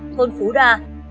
thôn phú đa